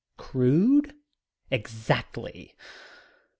Crude? Exactly.